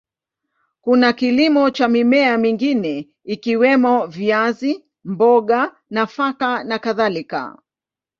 Kuna kilimo cha mimea mingine ikiwemo viazi, mboga, nafaka na kadhalika.